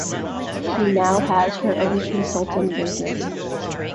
She now has her own consulting business.